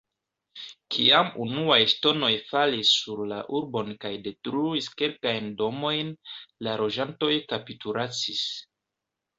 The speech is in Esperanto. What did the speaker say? Kiam unuaj ŝtonoj falis sur la urbon kaj detruis kelkajn domojn, la loĝantoj kapitulacis.